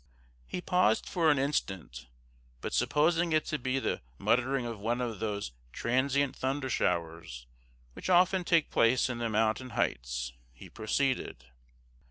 He paused for an instant, but supposing it to be the muttering of one of those transient thunder showers which often take place in the mountain heights, he proceeded.